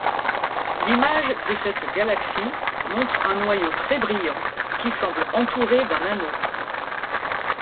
L'image de cette galaxie montre un noyau très brillant qui semble entouré d'un anneau.